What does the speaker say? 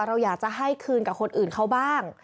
เราอยากจะให้คืนกับคนอื่นเขาบ้าง